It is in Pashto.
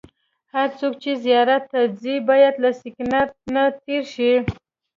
هر څوک چې زیارت ته ځي باید له سکېنر نه تېر شي.